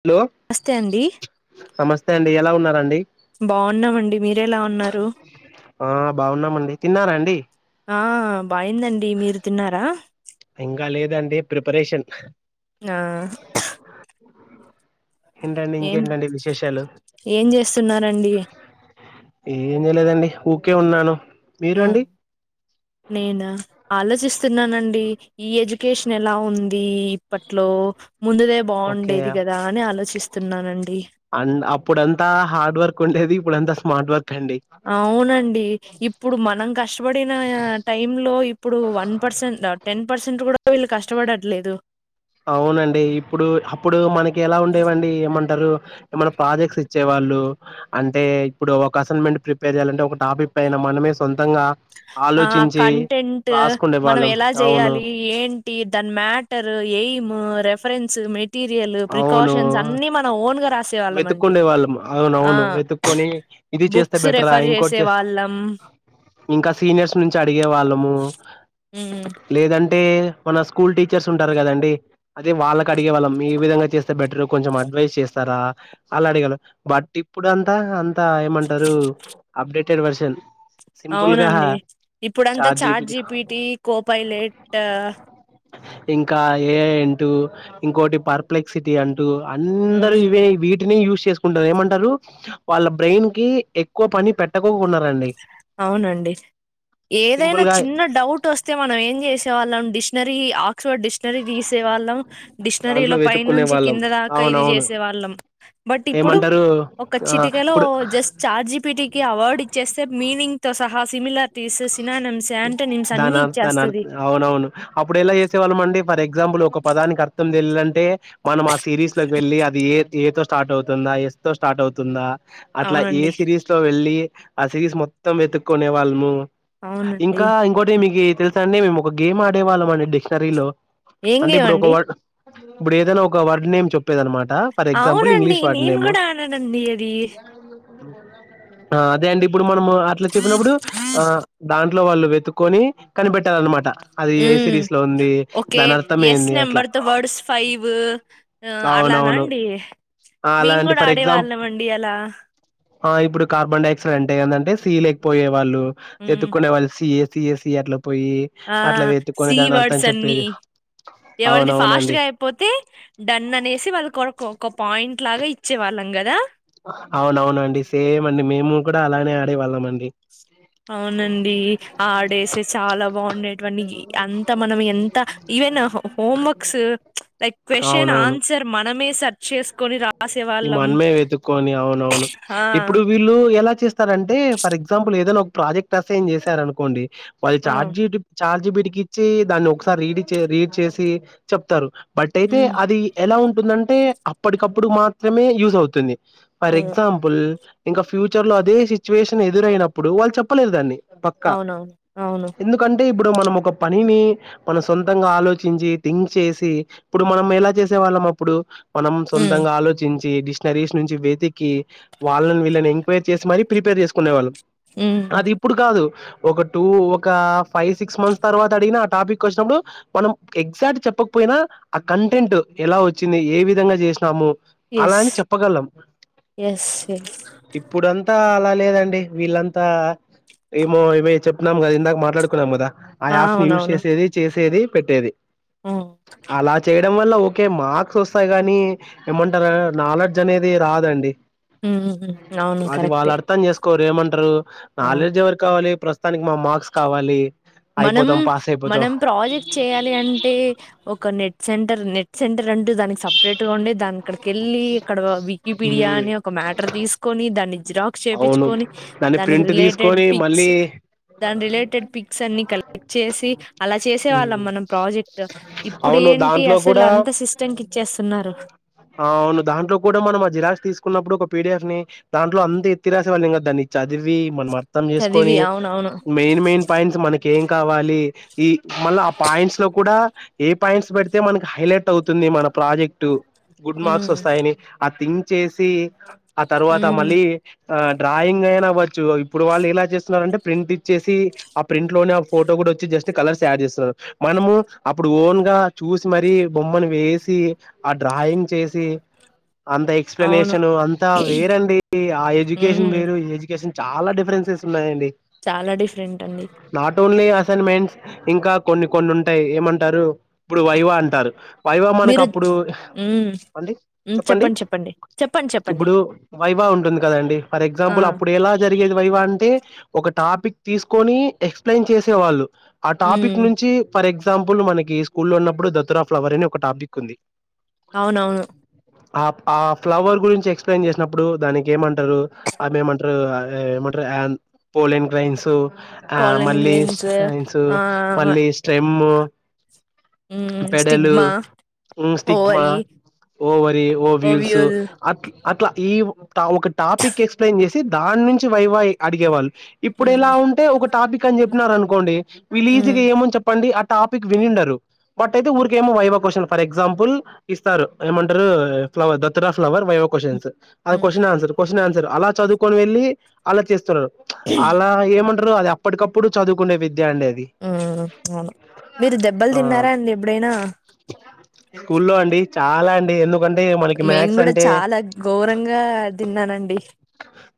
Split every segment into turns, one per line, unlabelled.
Hello
నమస్తే అండి
నమస్తే అండి ఎలా ఉన్నరండి
బాగున్నామండి మీరెలా ఉన్నారు
ఆ బావున్నామండి తిన్నారండి
ఆ బాయిందండి మీరు తిన్నారా
ఇంగా లేదండి ప్రిపరేషన్
ఆ
ఏంటండి
ఏం
ఇంకేంటండి విశేషాలు
ఏం చేస్తున్నారండి
ఏమి లేదండి ఊకే ఉన్నాను మీరు
మ్
అండి
నేనా ఆలోచిస్తున్నానండి ఈ ఎడ్యుకేషన్ ఎలా ఉంది ఇప్పట్లో ముందుదే
ఓకే
బాగుండేది గదా అని ఆలోచిస్తున్నానండి
అండ్ అప్పుడంతా హార్డ్ వర్కుండేది ఇప్పుడంతా స్మార్ట్ వర్క్ అండి
అవునండి ఇప్పుడు మనం కష్టపడిన టైంలో ఇప్పుడు వన్ పర్సెంట్ టెన్ పర్సెంట్ కూడా వీళ్ళు కష్టపడట్లేదు
అవునండి ఇప్పుడు హప్పుడు మనకేలా ఉండేవండి ఏమంటరు ఏమనా ప్రాజెక్ట్స్ ఇచ్చేవాళ్ళు అంటే ఇప్పుడు ఒక అసైన్మెంట్ ప్రిపేర్ జేయాలంటే ఒక టాపిక్ పైనా మనమే సొంతంగా
ఆ
ఆలోచించి
కంటెంట్
రాసుకుండే వాళ్ళం
మనమెలా
అవును
చేయాలి ఏంటి దాని మ్యాటర్ ఎయిమ్ ము రెఫరెన్స్ మిట్ మెటీర్యల్ ప్రికాషన్స్
అవును
అన్ని మన ఓన్గా రాసేవాళ్ళమండి
వెతుక్కుండే వాళ్ళం
ఆ
అవునవును వెతుక్కొని ఇది చేస్తే
బుక్స్
బెటరా
రెఫర్
ఇంకోటి
చేసే
చే
వాళ్ళం
ఇంకా సీనియర్సునుంచి అడిగే వాళ్ళము లేదంట అంటే మన స్కూల్ టీచర్స్ ఉంటారు కదాండి అదే వాళ్ళకడిగే వాళ్ళం ఈ విధంగా చేస్తే బెటర్ కొంచెం అడ్వైస్ చేస్తారా అలా అడగేను బట్ ఇప్పుడు అంతా అంత ఎమంటారు అప్డేటెడ్ వర్షన్
అవునండి ఇప్పుడంతా
జిపిటి
చాట్జిపిటి కో పైలెట్
ఇంకా ఏఐ అంటూ ఇంకోటి పర్ప్లెక్సిటీ అం టు అందరూ
హ్మ్.
ఇవే వీటినే యూజ్ చేస్ ఉండది ఏమంటారు వాళ్ళ బ్రెయిన్కి ఎక్కువ పని పెట్టకోన్నా
అవునండి ఏదైనా
సింపుల్ గా
చిన్న డౌట్ ఓస్తే మనం ఏం జేసేవాళ్ళం డిస్నరీ అ ఎక్ డిష్నరీ ధీసే వాళ్ళం
దాంట్లో
డిష్నరీలో
వెతుక్కునే
పైనుంచి
వాళ్ళం
కింద దాకా ఇది
అవునవును
జేసే వాళ్ళం బట్ ఇప్పుడు
ఏమంటారు
ఒక
ఆ
చిటికలో
ఇప్పుడు
జస్ట్ చాట్జిపిటికి అవార్డ్ ఇ మీనింగ్తో సహా సిమలర్
దాన దానార్
ఇచ్చేస్తది
అవునవును అప్పుడు ఎలా చేసేవాళ్ళమండి ఫర్ ఎక్సాంపుల్ ఒక పదానికి అర్థం తెలేలంటే మనం ఆ సిరీస్ లో వెళ్ళి అది ఏ ఏ తో స్టార్ట్ అవుతుందా ఎస్ తో స్టార్ట్ అవుతుందా అట్లా ఏ
అవునండి
సిరీస్ లో వెళ్ళి ఆ సిరీస్ మొత్తం వెతుక్కునే వాళ్ళము
అవునండి
ఇంకా ఇంకోటి మీకి తెల్సండి మేము ఒక గేమ్ ఆడేవాళ్ళం అండి డిక్షనరీలో
ఏం
అంటే
గేమ్
ఇప్పుడు ఒక
అండి
వర్డ్ ఇప్పుడు ఏదైన ఒక వర్డ్ నేమ్ చెప్పేది అనమా టా ఫర్ ఎక్సంపుల్
అవునండి
ఇంగ్లిష్ వర్డ్
నేను
నేమ్
కూడా ఆడానండి అది
ఆ అదే అండి ఇప్పుడు మనము అట్లా చెప్పినప్పుడు ఆ దాంట్లో వాళ్ళు వెతుకొని కనిపెట్టాలన్నమాట అది ఏ
మ్మ్
సిరీస్ లో ఉంది
ఓకే
దాని అర్థం
యస్
ఏంది అట్లా
నెంబర్తో వర్డ్స్ ఫైవు ఆ
అవునవును
లానాండి
ఆ! అలాంటి
మేంగుడా
ఫర్
ఆడే
ఎగ్జాంపుల్
వాళ్ళమండి అలా
ఆ ఇప్పుడు కార్బన్ డైఆక్సైడ్ అంటే ఎందంటే సీ లేకపోయే వాళ్ళు
హ్మ్.
ఎతుకునే వాళ్ళు సీ సి సి అట్లా పోయి
ఆ!
అట్లా వెత్తుకొని
సి
దాని అర్థం
వర్డ్స్ అన్నీ.
చెప్పేది
ఎవరిది
అవునవునండి
ఫాస్ట్గా అయిపోతే డన్ అనేసి వాళ్ళు కొరకొ ఒక పాయింట్ లాగా ఇచ్చే వాళ్ళం గదా
అవునవునండి సేమండి మేము కూడా అలానే ఆడేవాళ్ళం అండి
అవునండి ఆడేసే చాలా బాగుండేట్వనీ అంత మనం ఎంత ఈవెన్ ఆహా హోంవర్క్స్ లైక్ ఫ్రెష్ అండ్
అవునవును
ఆన్సర్ మనమే సర్చ్ చేస్కొని రా
ఈ మనమే వెతుక్కొని అవునవును
ఆ!
ఇప్పుడు వీళ్ళు ఎలా చేస్తారంటే ఫర్ ఎక్స్మేపుల్ ఏదైనా ఒ ప్రాజెక్ట్ అసైన్ జేసారనుకోండి వాళ్ళ
ఆ!
చార్జీటి చార్జిపిటీకిచ్చి దాన్ని ఒకసారి రీడ్ చే రీడ్ చేసి చెప్తారు బట్ అయితే
హ్మ్.
అది ఎలా ఉంటుందంటే అప్పటికప్పుడు మాత్రమే యూస్ అవుతుంది ఫర్
అవును.
ఎక్సాంపుల్ ఇంక ఫ్యూచర్లో అదే సిచ్యువేషన్ ఎదురయినప్పుడు వాళ్ళు చెప్పలేరు దాన్ని
అవునవును అవును
అంటే ఇప్పుడు మనం ఒక పనిని మన సొంతంగా ఆలోచించి థింక్ చేసి ఇప్పుడు మనం ఎలా చేసే వాళ్ళం అప్పుడు మనం
హ్మ్.
సొంతంగా ఆలో నీంచి డిష్నరీస్ నుంచి వెతికి వాళ్ళన్ వీళ్ళన్ ఎంక్వైర్ చేసి మరీ ప్రిపేర్ చేస్కునేవాళ్ళం
హ్మ్.
అది ఇప్పుడు కాదు ఒక టూ ఒక ఫైవ్ సిక్స్ మంత్స్ తర్వాత అడిగిన ఆ టాపిక్ ఓచ్చినప్పుడు మనం ఎక్సైట్ చెప్పక పోయినా ఆ కంటెంట్ ఎలా ఓచ్చింది ఏ విధంగా జేష్ణము అలా
యెస్.
అని చెప్పగలం
యెస్. యెస్.
ఇప్పుడంతా అలా లేదండి వీళ్ళంతా ఏమో ఇవే చెపిన్నాం గదా ఇందాక మాట్లాడుకున్నాం గదా ఆ యాఫ్స్ ని యూస్ చేసేది చేసేది పెట్టేది
హ్మ్.
అలా చేయ డంవల్ల ఓకే మార్క్స్ ఓస్తాయి గాని ఏమంటారు నాలెడ్జ్ అనేది రాదండి
మ్మ్ అవును కరెక్టే
కోరేమంటరు
అవును.
నాలెడ్జ్ ఎవరి కావాలి ప్రస్తుతానికి మా మార్క్స్ కావాలి
మనం
అయిపోతాం పాస్ అయిపోతాం
మనం ప్రాజెక్ట్ చేయాలి అంటే ఒక నెట్ సెంటర్ నెట్ సెంటర్ అంటూ దానికి సెప్రేట్ గా ఉండే దాని ఆక్కడికెళ్ళి ఇక్కడ వికీపీడియా
ఉమ్
అని ఒక మ్యాటర్ తీసుకొని దాన్ని జిరాక్స్
అవును
చెప్పిచుకొని
దాన్ని
దానికి
ప్రింట్
రిలేటెడ్
తీసుకొని
పిక్స్
మళ్ళీ
దాని రిలేటెడ్ పిక్స్ అన్ని కలెక్ట్ చేసి అలా చేసే వాళ్ళం
ఉమ్
మనం ప్రాజెక్ట్ ఇప్పుడు
అవును
ఏంటి
దాంట్లో
అసలు
కూడా
అంత సిస్టమ్కిచ్చేస్తున్నారు
అవును దాంట్లో కూడా మనం ఆ జిరాక్స్ తీసుకున్నప్పుడు ఒక పీడిఎఫ్ ని దాంట్లో అంత ఎత్తిరాసేవాళ్ళుం గాదు దాన్ని చదివి మనం అర్థం చేసుకొని
చదివి అవునవును
మెయిన్ మెయిన్ పాయింట్స్ మన కేం కావాలి ఈ మళ్ళ ఆ పాయింట్స్ లో కూడా ఏ పాయింట్స్ బేడితే మనకి హైలైట్ అవుతు ది మన ప్రాజెక్టు గుడ్ మార్క్స్
ఉమ్,
వస్తాయని ఆ థింక్ చేసి ఆ తర్వాత
ఉమ్,
మళ్ళీ ఆ డ్రాయింగైన అవ్వచ్చు ఇప్పుడు వాళ్ళు ఎలా చేస్తున్నారంటే ప్రింట్ ఇచ్చేసి ఆ ప్రింట్లోనే ఆ ఫోటో ఇప్పుడొచ్చి జస్ట్ కలర్స్ యాడ్ చేస్తున్నరు మనము అప్పుడు ఓన్ గా చూసి మరీ బొమ్మను వేసి ఆ డ్రాయింగ్ చేసి అంత
అవును
ఎక్స్ప్లనేషన్ అంతా వేరండి ఆ ఎడ్యుకేషన్
ఉమ్,
వేరు ఈ ఎడ్యుకేషన్ చాలా డిఫరెన్సెస్ ఉన్నాయండి
చాలా డిఫరెంటండి
నాట్ ఓన్లీ అసైన్మెంట్స్ ఇంకా కొన్ని కొన్ని ఉంటాయి ఏమంటారు ఇప్పుడు వైవా అంటారు వైవా మనకు
మీరు
అప్పుడు
ఉమ్, ఉమ్ చెప్పండి చెప్పండి చెప్పండి చెప్పండి
ఇప్పుడు వైవా ఉంటుంది కదండి ఫర్
ఆ
ఎగ్జాంపుల్ అప్పుడు ఎలా జరిగేది వైవా అంటే ఒక టాపిక్ తీసుకొని ఎక్స్ప్లెయిన్ చేసేవాళ్ళు ఆ టాపిక్
ఉమ్
నుంచి ఫర్ ఎగ్జ అ ఎగ్జాంపుల్ మనకి స్కూల్లో ఉన్నప్పుడు దత్తూరా ఫ్లవర్ అని ఒక టాపిక్ ఉంది
అవునవును
ఆ ఆ ఫ్లవర్ గురించి ఎక్స్ప్లెయిన్ చేసినప్పుడు దానికి ఏమంటరు ఆదె ఏమంటరు అదే ఏమంట క్రైయాన్ పోలిన్ క్రైన్స్ ఆ
పాలన్
మళ్ళీ
గ్రెయిన్స్
సైన్సు
ఆ
మళ్ళీ స్టెమ్ము
ఉమ్
పెడలు
స్టిగ్మా
ఉమ్ stigma
ovary
ovary ovules
ovule
అట్ల అట్లా ఈ ఒక టాపిక్ ఎక్స్ప్లెయిన్ చేసి దానుంచి వైవ అడిగేవాళ్ళు ఇప్పుడిలా
ఉమ్
ఉంటే ఒక టాపిక్ అని చెప్పినారు అనుకోండి విలు
ఉమ్
ఈజీగా ఏముంది చెప్పండి అ టాపిక్ వినిండరు బట్ అయితే ఊరికేమో వైవ క్యూషన్ల్ ఫర్ ఎగ్జాంపుల్ ఇస్తారు ఏమంటరు flower datura flower viva questions అద్
ఉమ్
క్యూషన్ ఆన్సర్ క్యూషన్ ఆన్సర్ అలా చదువుకొని వెళ్ళి అలా చేస్తున్నారు అలా ఏమ టరు అది అప్పటికప్పుడు చదువుకునే వి
ఉమ్ అవును మీరు దెబ్బలు
ఆ
తిన్నారా అండి ఎప్పుడైనా
స్కూల్లో అండి చాలా అండి ఎందు
మేము కూడా చాలా ఘోరంగా తిన్నానండి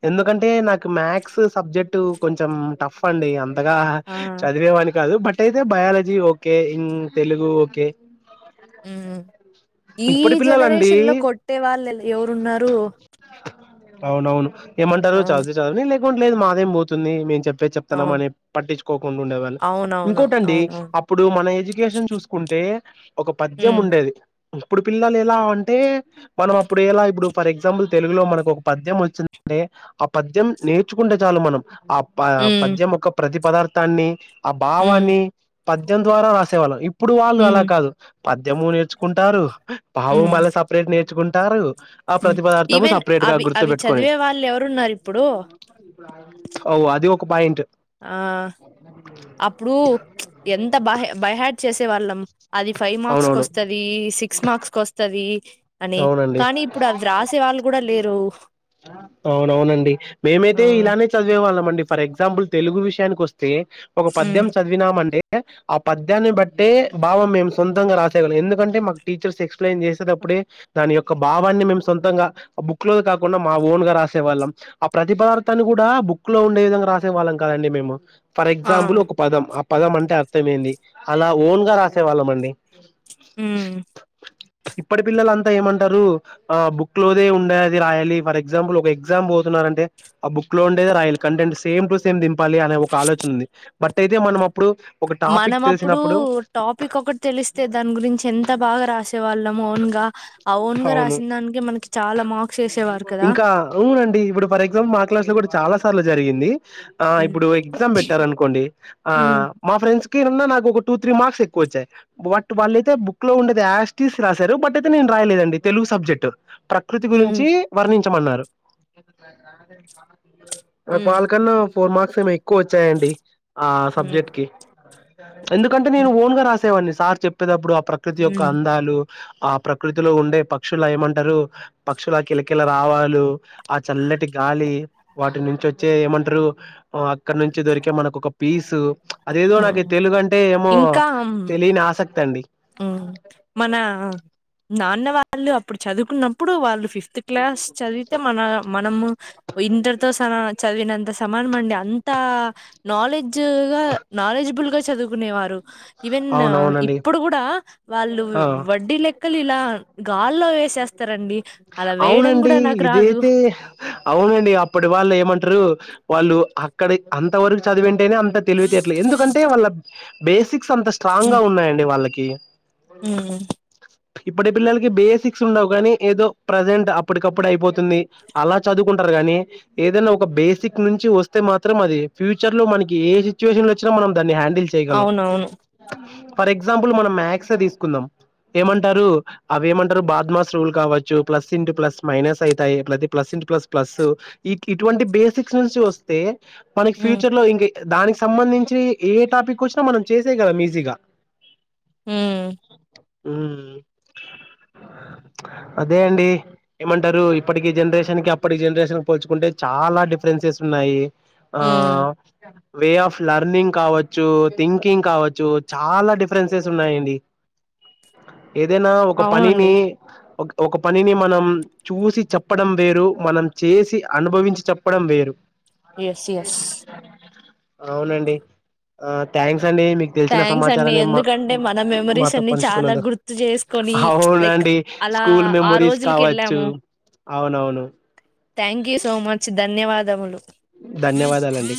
ఎందుకంటే నాకు మ్యాథ్స్ సబ్జెక్ట్ కొంచెం టఫ్ అండి అ తగా
ఆ
చదివేవాని కాదు బట్ అయితే బయాలజీ ఓకే ఇ తెలుగూ ఓకే
ఈ
ఇప్పటి పిల్లలండి
జనరేషన్ లో కొట్టే వాళ్ళు ఎవరున్నారూ
అవునవును ఏమంటరు చదువుతే చదవని లేకుంట్లేదు మాదేం పోతుంది మేము చెప్ప చెప్పేద్ చెప్తన్నాం
అవును
అని పట్టించుకోకుండా ఉండేవాళ్ళు
అవునవును
ఇంకోటండి
అవునవును
అప్పుడు మన ఎడ్యుకేషన్ చూసుకుంటే ఒక పద్యం
ఉమ్
ఉండేది ఇప్పుడు పిల్లలిలా ఉంటే మనం అప్పుడు ఎలా ఇప్పుడు ఫర్ ఎగ్జాంపుల్ తెలుగులో మనకొక పద్యం వచ్చిం అంటే ఆ పద్యం నేర్చుకుంటే చాలు మనం ఆ ప
ఉమ్
పద్యం యొక్క ప్రతి పదార్థాన్ని ఆ
ఉమ్
భావాన్ని పద్యం ద్వారా రాసేవాళ్ళం ఇప్పుడు వాళ్ళు అలా
ఉమ్
కాదు పద్యము నేర్చుకుంటారు భావం
ఉమ్
మళ్ళ సపరేట్ నేర్చుకుంటారు ఆ
మ్
ప్రతిపదార్థము
ఈవెన్
సపరేట్ గా
అవి అవి
గుర్తుపెట్టుకొని
చదివే వాళ్ళు ఎవరున్నారు ఇప్పుడు
అవు అది ఒక పాయింట్
ఆ అప్పుడు ఎంత బహి బైహాట్ చేసేవా వాళ్ళం అది ఫైవ్ మార్క్స్
అవునవును
కొస్తది సిక్స్ మార్క్స్ కొస్తది అని
అవునండి
కానీ ఇప్పుడు అవి రాసే వాళ్ళు కూడా లేరు
అవునవునండి
ఆ
మేమైతే ఇలానే చదివేవాళ్ళమండి ఫర్ ఎగ్జాంపుల్ తెలుగు విషయానికి వస్తే ఒక పద్యం
మ్
చదివినామంటే ఆ పద్యాన్ని బట్టే భావం మేము సొంతంగా రాసేవాళ్ళం ఎందుకంటే మాకు టీచర్స్ ఎక్స్ప్లెయిన్ చేసేటప్పుడే దాని యొక్క భావాన్ని మేము సొంతంగా ఆ బుక్లోది కాకుండా మా ఓన్గా రాసేవాళ్ళం ఆ ప్రతిపదార్ దాన్ని కూడా బుక్ లో ఉండే విధంగా రాసేవాళ్ళం కాదండి మేము ఫర్
ఆ
ఎగ్జాంపుల్ ఒక పదం. ఆ పదం అంటే అర్థమెంది అలా ఓన్గా రాసే వాళ్ళమండి.
ఉమ్
ఇప్పటి పిల్లలు అం అంత ఏమంటారు ఆ బుక్ లోదే ఉండేది రాయాలి. ఫర్ ఎగ్జాంపుల్ ఒక ఎగ్జామ్ పోతున్నారంటే ఆ బుక్ క్లో ఉండేదె రాయలి. Content same to same Deepali అనే ఒక ఆలోచన ఉంది బట్ అయితే మనం. అప్పుడు ఒక
మనం
టాపిక్
అప్పుడు
తెలిసినప్పుడు
టాపిక్ ఒకటి తెలిస్తే దాని గురించి ఎంత బాగా రాసేవాళ్ళు. నాము ఒన్గా ఆ ఓన్గా
అవును
రాసిన దానికి మనకి చాలా మార్క్స్ వేసేవారు కదా
ఇంకా అవునండి ఇప్పుడు ఫర్ ఎగ్జాంపుల్ మా క్లాస్ లో కూడా చాలా సార్లు జరిగింది. ఆ
మ్
ఇప్పుడు ఎగ్జామ్ పెట్టార అనుకోండి ఆ
మ్
మా ఫ్రెండ్స్ కినున్న నాకు ఒక టూ త్రీ మార్క్స్ ఎక్కువ వచ్చాయి. బట్ వాళ్ళయితే బుక్ లో ఉండేది ఏజెటిజ్ రాసారు. బట్ అయితే నే రాయలేదండి తెలుగు సబ్జెక్ట్ ప్రకృతి
మ్
గురించి వర్ణించమన్నారు. వాళ్ళకన్నా ఫోర్ మార్క్స్ ఏమో ఎక్కువ వచ్చాయండి ఆ సబ్జెక్ట్
మ్
కి. ఎందుకంటే నేను
మ్
ఓన్ గా రాసేవాడిని సార్ చెప్పేటప్పుడు ఆ ప్రకృతి యొక్క
మ్
అందాలు ఆ ప్రకృతిలో ఉండే పక్షులు ఏమంటారు? పక్షుల కిలకిల రావళ్లు ఆ చల్లటి గాలి వాటి నుంచి వచ్చే ఏమంటారు అక్కడ నుంచి దొరికే మనకు ఒక పీస్ అదేదో నాకు
హ్మ్
తెలుగు అంటే ఏమో తెలియని ఆసక్తి అండి.
ఉమ్ మన నాన్న వాళ్ళు అప్పుడు చదువుకున్నప్పుడు వాళ్ళు ఫిఫ్త్ క్లాస్ చదివితే మన మనము ఇంటర్ తో చదివినంత స సమానం అండి అ అంత నాలెడ్జ్గా, నాలెడ్జిబుల్ గా చదువు కునేవారు ఈవెన్ ఆ ఇ
అవునవునండి
ఇప్పుడు గూడా వాళ్ళు
ఆ
వడ్డీ లెక్కలు ఇలా గాల్లో వేసేస్తారండి. అలా వేయడం
అవునండి
కూడా నాకు రాదు
ఇదైతే అవునండి అప్పటి వాళ్ళు ఏమంటారు వాళ్ళు అక్కడ అంత వరకు చదివింటేనే అంత తెలివితేటలే ఎందుకంటే వాళ్ళ బేసిక్ అంత స్ట్రాంగ్ గా ఉన్నాయండి వాళ్ళకి.
ఉమ్
ఇప్పటి పిల్లలకి బేసిక్స్ ఉండవు గానీ ఏదో ప్రజెంట్ అప్పటికప్పుడు అయిపోతుంది అలా చదువుకుంటారు. టరు గానీ ఏదనా ఒక బేసిక్ నుంచి వస్తే మాత్రం అది ఫ్యూచర్ లో మనకి ఏ సిచ్యువేషన్ వచ్చినా మ దాన్ని హ్యాండిల్ చేయగలం
అవునవును
ఫర్ ఎగ్జాంపుల్ మనం మ్యాక్స తీసుకుందాం. ఏమంటారు అవి ఏమంటారు బాద్మాస్ రూల్ కావచ్చు, ప్లస్ ఇంటూ ప్లస్ మైనస్ అయితాయి. పది ప్లస్ ఇంట ప్లస్ ప్లస్ ఇటువంటి బేసిక్స్ నుంచి వస్తే మనకి
హ్మ్
ఫ్యూచర్ లో ఇంగ దానికి సంబంధించి ఏ టాపిక్ వచ్చినా మనం చేశాయగలం ఈజీగా.
హ్మ్
ఉమ్ అదే అండి ఏమంటారు ఇప్పటికి జనరేషన్ కి, అప్పటికి జనరేషన్ కి పోల్చుకుంటే చాలా డిఫరెన్సెస్ ఉన్నాయి.
Hmm
um way of learning కావచ్చు, థింకింగ్ కావచ్చు చాలా డిఫరెన్సెస్ ఉన్నాయండి. ఏదైనా ఒక పనిని
అవునండి
ఒక ఒక పనిని మనం చూసి చెప్పడం వేరు, మనం చేసి అనుభవించి చెప్పడం వేరు.
ఎస్ ఎస్
అవునండి ఆ థ్యాం క్స్ అండి మీకు తెలిసిన
థ్యాంక్స్ అండి
సమాచారాన్ని మా
ఎందుకంటే మన మెమరీస్
మాతో
అన్ని చాలా
ఉంచుకొన్నంద
గుర్తు చేసుకొని లైక్
అవునండి
అలా
స్కూల్
ఆ
మెమొరీస్
రోజులకి
కావచ్చు.
వెళ్ళాము
అవునవును
థ్యాంక్ యూ సో మచ్ ధన్యవాదములు.
ధన్యవాదాలండి